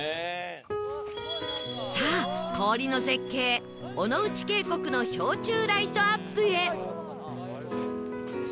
さあ氷の絶景尾ノ内渓谷の氷柱ライトアップへ